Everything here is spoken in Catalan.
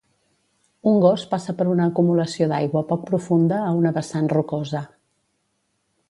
Un gos passa per una acumulació d"aigua poc profunda a una vessant rocosa.